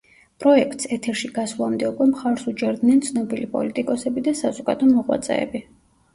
პროექტს, ეთერში გასვლამდე უკვე მხარს უჭერდნენ ცნობილი პოლიტიკოსები და საზოგადო მოღვაწეები.